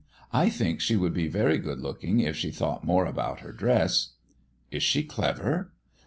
I think she would be very good looking if she thought more about her dress." "Is she clever?"